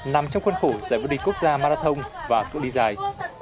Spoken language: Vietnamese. nằm trong khuôn khổ giải vứt địch quốc gia marathon và cưỡng đi dài